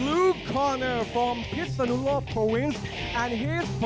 สวัสดีครับทายุรัฐมวยไทยไฟตเตอร์